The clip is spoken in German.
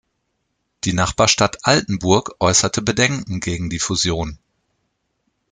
Die Nachbarstadt Altenburg äußerte Bedenken gegen die Fusion.